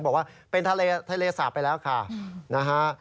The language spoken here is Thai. บอกว่าเป็นทะเลทะเลสาปไปแล้วค่ะนะฮะ